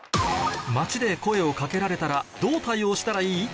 ・街で声を掛けられたらどう対応したらいい？